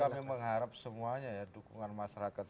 kami mengharap semuanya ya dukungan masyarakat